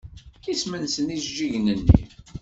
Isem-nsen yijeǧǧigen-nni?